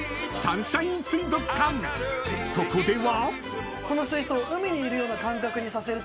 ［そこでは］